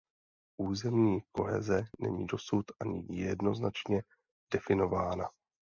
Územní koheze není dosud ani jednoznačně definována.